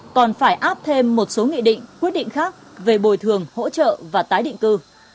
còn phải áp thêm một số nghị định quyết định khác về bồi thường hỗ trợ và tái định cư